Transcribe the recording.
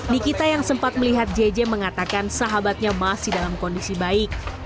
nikita yang sempat melihat jj mengatakan sahabatnya masih dalam kondisi baik